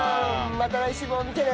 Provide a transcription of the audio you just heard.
また来週も見てね！